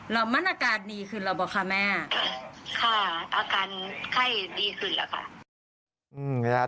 แล้วมันอาการดีขึ้นแล้วบอกค่ะแม่ค่ะอาการไข้ดีขึ้นแล้วค่ะ